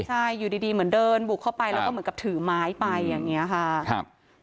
ใช่อยู่ดีเหมือนเดินบุกเข้าไปแล้วก็เหมือนกับถือไม้ไปอย่างนี้ค่ะครับ